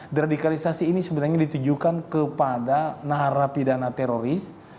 deradikalisasi ini sebenarnya ditujukan kepada narapidana teroris